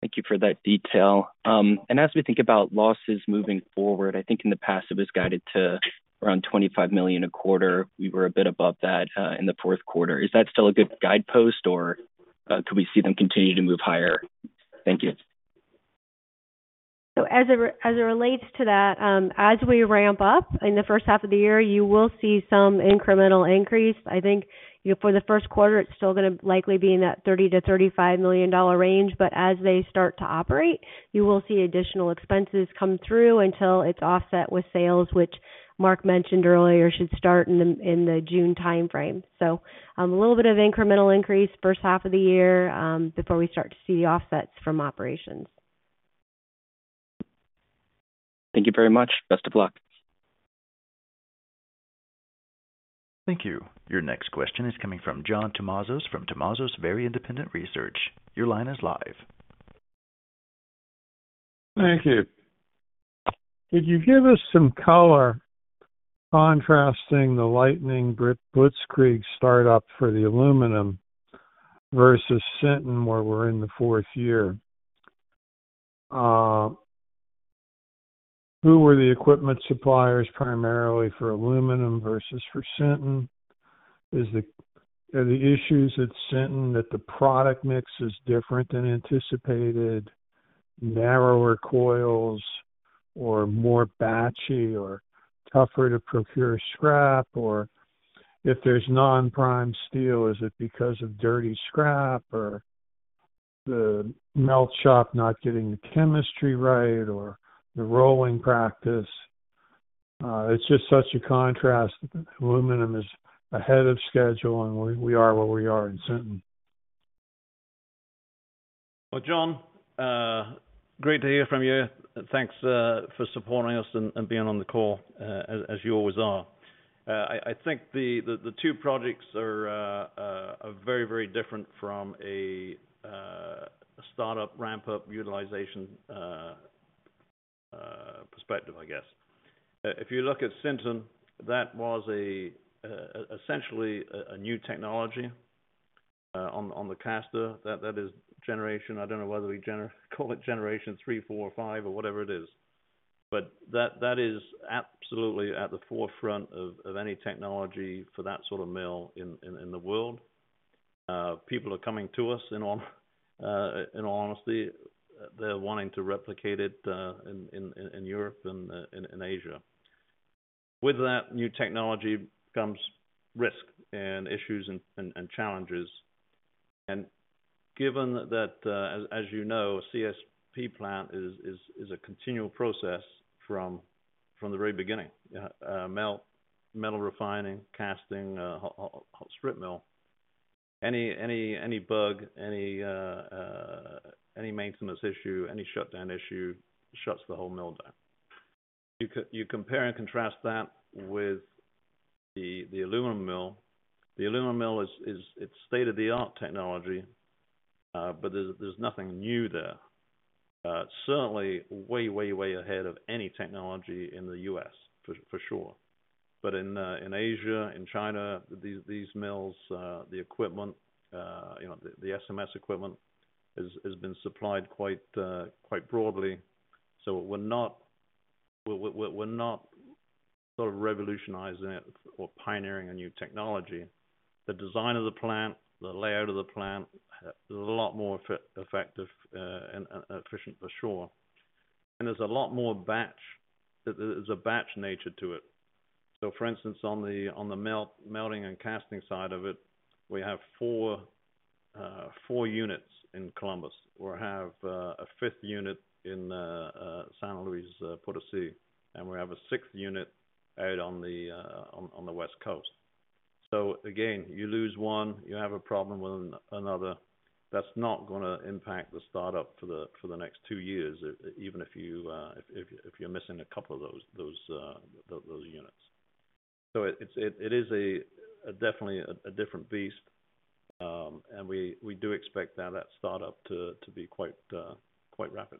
S10: Thank you for that detail. As we think about losses moving forward, I think in the past it was guided to around $25 million a quarter. We were a bit above that in the fourth quarter. Is that still a good guidepost, or could we see them continue to move higher? Thank you.
S4: So as it relates to that, as we ramp up in the first half of the year, you will see some incremental increase. I think for the first quarter, it's still going to likely be in that $30-$35 million range. But as they start to operate, you will see additional expenses come through until it's offset with sales, which Mark mentioned earlier should start in the June timeframe. So a little bit of incremental increase first half of the year before we start to see the offsets from operations.
S10: Thank you very much. Best of luck.
S1: Thank you. Your next question is coming from John Tumazos from Tumazos Very Independent Research. Your line is live.
S11: Thank you. Could you give us some color contrasting the Lightning-Batch-Blitzkrieg startup for the aluminum versus Sinton where we're in the fourth year? Who were the equipment suppliers primarily for aluminum versus for Sinton? Are the issues at Sinton that the product mix is different than anticipated, narrower coils, or more batchy, or tougher to procure scrap? Or if there's non-prime steel, is it because of dirty scrap, or the melt shop not getting the chemistry right, or the rolling practice? It's just such a contrast that aluminum is ahead of schedule, and we are where we are in Sinton.
S3: Well, John, great to hear from you. Thanks for supporting us and being on the call, as you always are. I think the two projects are very, very different from a startup ramp-up utilization perspective, I guess. If you look at Sinton, that was essentially a new technology on the caster that is generation. I don't know whether we call it generation three, four, or five, or whatever it is. But that is absolutely at the forefront of any technology for that sort of mill in the world. People are coming to us, in all honesty. They're wanting to replicate it in Europe and in Asia. With that new technology comes risk and issues and challenges. And given that, as you know, a CSP plant is a continual process from the very beginning: metal, refining, casting, strip mill. Any bug, any maintenance issue, any shutdown issue shuts the whole mill down. You compare and contrast that with the aluminum mill. The aluminum mill, it's state-of-the-art technology, but there's nothing new there. Certainly way, way, way ahead of any technology in the U.S., for sure, but in Asia, in China, these mills, the equipment, the SMS equipment has been supplied quite broadly, so we're not sort of revolutionizing it or pioneering a new technology. The design of the plant, the layout of the plant, there's a lot more effective and efficient, for sure, and there's a lot more batch. There's a batch nature to it, so for instance, on the melting and casting side of it, we have four units in Columbus. We have a fifth unit in San Luis Potosí, and we have a sixth unit out on the West Coast, so again, you lose one, you have a problem with another. That's not going to impact the startup for the next two years, even if you're missing a couple of those units. So it is definitely a different beast, and we do expect that startup to be quite rapid.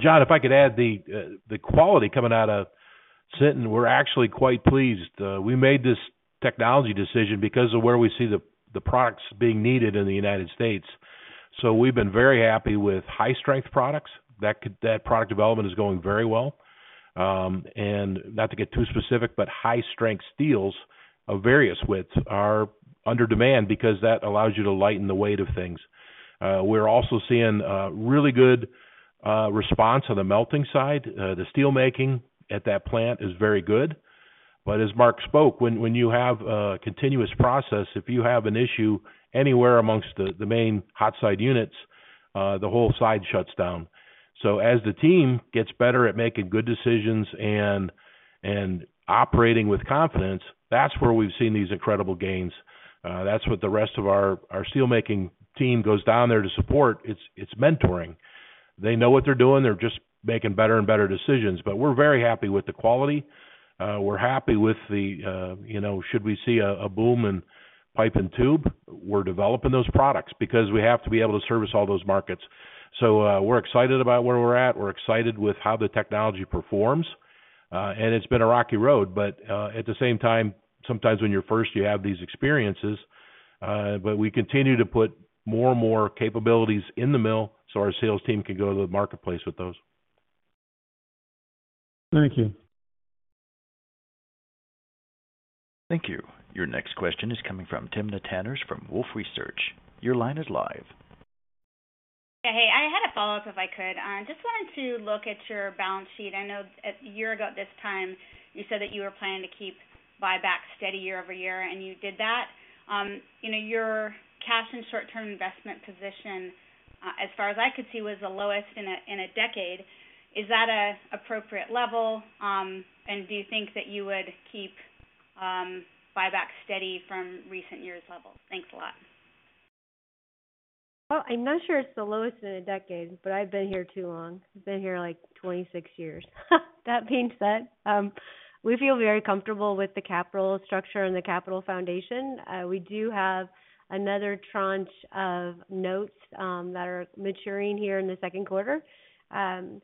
S5: John, if I could add the quality coming out of Sinton, we're actually quite pleased. We made this technology decision because of where we see the products being needed in the United States. So we've been very happy with high-strength products. That product development is going very well. And not to get too specific, but high-strength steels of various widths are under demand because that allows you to lighten the weight of things. We're also seeing really good response on the melting side. The steelmaking at that plant is very good. But as Mark spoke, when you have a continuous process, if you have an issue anywhere amongst the main hot side units, the whole side shuts down. So as the team gets better at making good decisions and operating with confidence, that's where we've seen these incredible gains. That's what the rest of our steelmaking team goes down there to support. It's mentoring. They know what they're doing. They're just making better and better decisions. But we're very happy with the quality. We're happy with the. Should we see a boom in pipe and tube, we're developing those products because we have to be able to service all those markets. So we're excited about where we're at. We're excited with how the technology performs. And it's been a rocky road, but at the same time, sometimes when you're first, you have these experiences. But we continue to put more and more capabilities in the mill so our sales team can go to the marketplace with those.
S11: Thank you.
S1: Thank you. Your next question is coming from Timna Tanners from Wolfe Research. Your line is live.
S7: Okay. Hey, I had a follow-up if I could. I just wanted to look at your balance sheet. I know a year ago at this time, you said that you were planning to keep buyback steady year-over-year, and you did that. Your cash and short-term investment position, as far as I could see, was the lowest in a decade. Is that an appropriate level? And do you think that you would keep buyback steady from recent years' level? Thanks a lot.
S4: Well, I'm not sure it's the lowest in a decade, but I've been here too long. I've been here like 26 years. That being said, we feel very comfortable with the capital structure and the capital foundation. We do have another tranche of notes that are maturing here in the second quarter.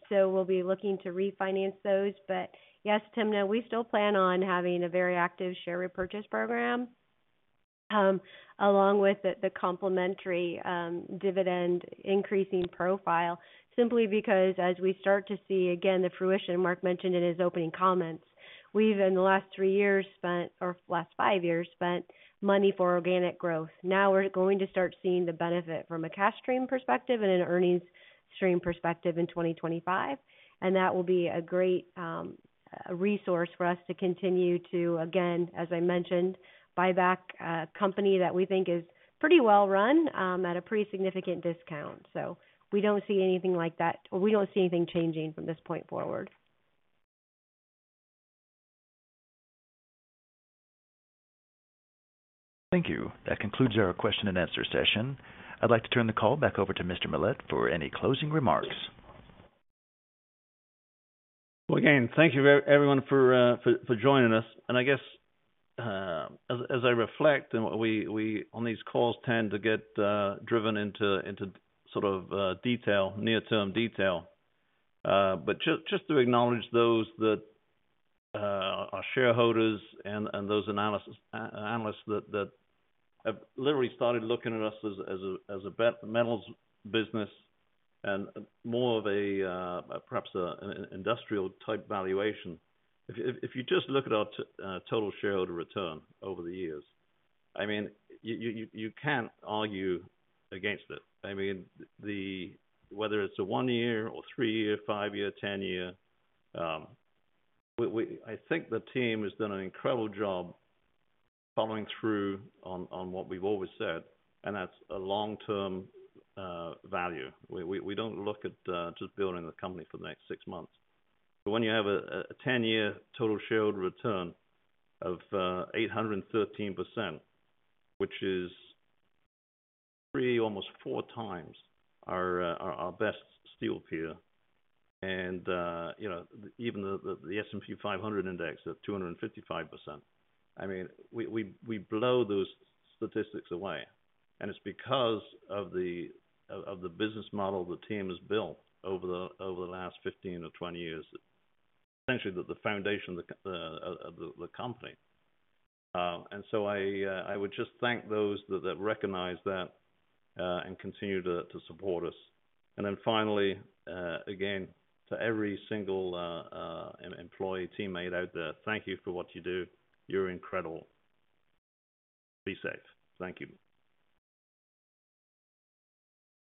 S4: So we'll be looking to refinance those. But yes, Tim, we still plan on having a very active share repurchase program along with the complementary dividend increasing profile, simply because as we start to see, again, the fruition Mark mentioned in his opening comments, we've in the last three years spent or last five years spent money for organic growth. Now we're going to start seeing the benefit from a cash stream perspective and an earnings stream perspective in 2025. And that will be a great resource for us to continue to, again, as I mentioned, buy back a company that we think is pretty well run at a pretty significant discount. So we don't see anything like that, or we don't see anything changing from this point forward.
S1: Thank you. That concludes our question and answer session. I'd like to turn the call back over to Mr. Millett for any closing remarks.
S3: Well, again, thank you, everyone, for joining us. And I guess as I reflect and what we on these calls tend to get driven into sort of detail, near-term detail. But just to acknowledge those that are shareholders and those analysts that have literally started looking at us as a metals business and more of a perhaps an industrial type valuation. If you just look at our total shareholder return over the years, I mean, you can't argue against it. I mean, whether it's a one-year or three-year, five-year, 10-year, I think the team has done an incredible job following through on what we've always said. That's a long-term value. We don't look at just building the company for the next six months. When you have a 10-year total shareholder return of 813%, which is three, almost four times our best steel peer, and even the S&P 500 index at 255%, I mean, we blow those statistics away. It's because of the business model the team has built over the last 15 or 20 years, essentially the foundation of the company. So I would just thank those that recognize that and continue to support us. Then finally, again, to every single employee, teammate out there, thank you for what you do. You're incredible. Be safe. Thank you.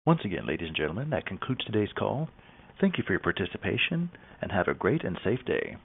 S1: Once again, ladies and gentlemen, that concludes today's call. Thank you for your participation and have a great and safe day.